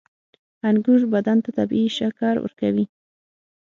• انګور بدن ته طبیعي شکر ورکوي.